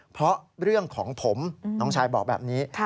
เพราะเรื่องของผมน้องชายบอกแบบนี้